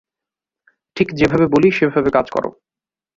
ঠিক যেভাবে বলি সেভাবে কাজ করো।